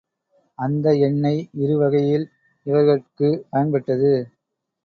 அந்த எண்ணெய் இருவகையில் இவர்கட்குப் பயன்பட்டது.